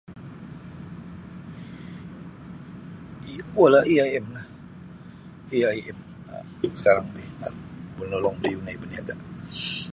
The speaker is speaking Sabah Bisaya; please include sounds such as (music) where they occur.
(unintelligible) AIM lah AIM sakarang ti manulung da yunai baniaga.